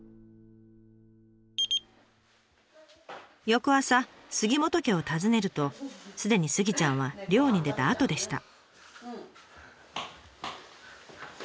翌朝杉本家を訪ねるとすでにスギちゃんは漁に出たあとでした。